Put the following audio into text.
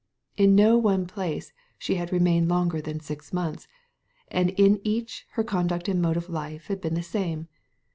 In no one place she had remained longer than six months, and in each her conduct and mode of life had been the same.